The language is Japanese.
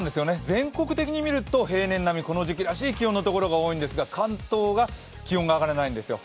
全国的にみると平年並み、この時期らしい気温の所が多いんですが関東は気温が上がらないんですよ。